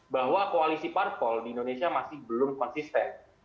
bahwa koalisi parpol di indonesia masih belum konsisten